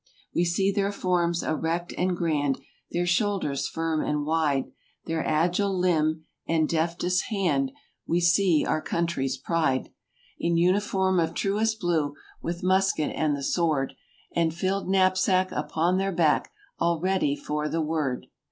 We see their forms erect and grand. Their shoulders firm and wide; Their agile limb and deftest hand— 161 We see our country's pride In uniform of truest blue, With musket and the sword; And filled knapsack upon their back, All ready for the word.